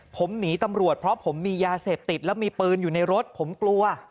ผมหนีตำรวจเพราะผมมียาเสพติดแล้วมีปืนอยู่ในรถผมกลัว